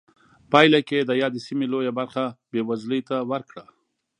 پایله کې یې د یادې سیمې لویه برخه بېوزلۍ ته ورکړه.